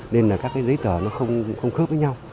nên là các cái giấy tờ nó không khớp với nhau